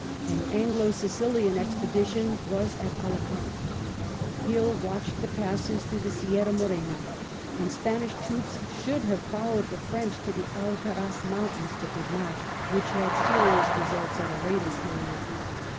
An Anglo Sicilian expedition was at Alicant ; Hill watched the passes through the Sierra Morena ; and Spanish troops should have followed the French to the Alcaraz mountains, but did not, which had serious results at a later period.